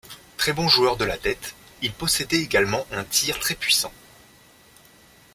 Très bon joueur de la tête, il possédait également un tir très puissant.